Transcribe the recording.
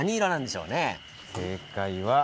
正解は。